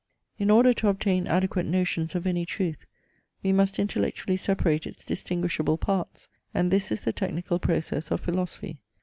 In order to obtain adequate notions of any truth, we must intellectually separate its distinguishable parts; and this is the technical process of philosophy.